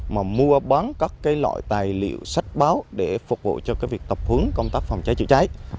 mà mua bán các cái loại tài liệu sách báo để phục vụ cho việc tập hướng công tác phòng cháy chữa cháy